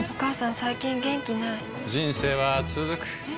最近元気ない人生はつづくえ？